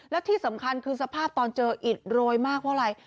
แล้วที่สำคัญคือสภาพตอนเจออิดโรยมากเพราะอะไร